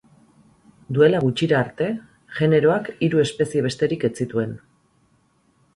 Duela gutxira arte, generoak hiru espezie besterik ez zituen.